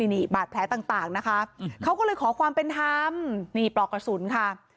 นี่บาดแผลต่างนะคะเขาก็เลยขอความเป็นธรรมนี่ปลอกกระสุนค่ะ